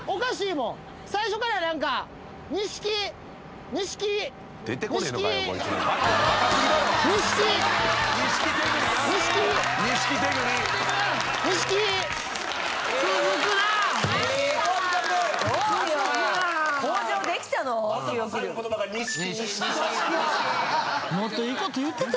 もっといいこと言ってたやろ。